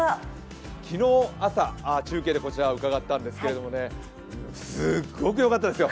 昨日、朝、中継でこちら伺ったんですけれども、すっごくよかったですよ。